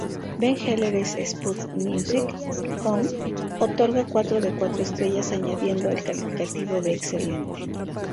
Ben Heller en "Sputnikmusic".com otorga cuatro de cuatro estrellas añadiendo el calificativo de excelente.